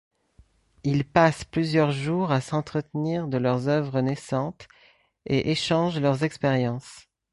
Ils passent plusieurs jours à s'entretenir de leurs œuvres naissantes et échangent leurs expériences.